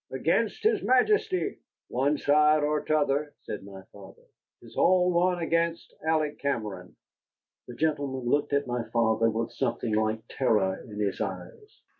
Against his Majesty?" "One side or t'other," said my father, "'tis all one against Alec Cameron." The gentleman looked at my father with something like terror in his eyes.